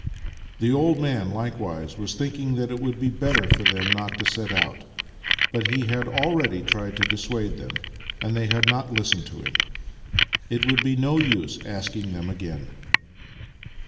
" The old man likewise was thinking that it would be better for them not to set out, but he had already tried to dissuade them, and they had not listened to him. It would be no use asking them again.